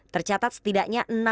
tercatat setidaknya enam kali